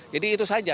jadi itu saja